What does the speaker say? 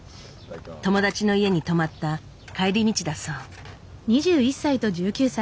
友達の家に泊まった帰り道だそう。